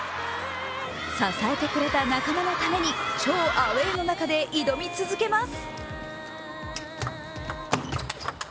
支えてくれた仲間のために超アウェーの中で挑み続けます。